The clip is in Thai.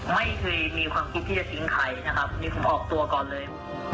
ไม่เคยมีความคิดที่จะทิ้งใครนะครับนี่ผมออกตัวก่อนเลย